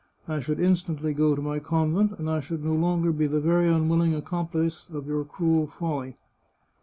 I should instantly go to my convent, and I should no longer be the very unwilling ac complice of your cruel folly.